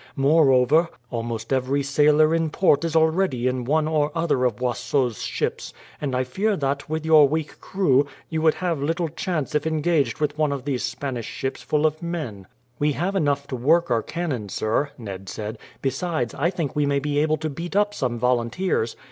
Moreover, almost every sailor in port is already in one or other of Boisot's ships; and I fear that, with your weak crew, you would have little chance if engaged with one of these Spanish ships full of men." "We have enough to work our cannon, sir," Ned said; "besides, I think we may be able to beat up some volunteers.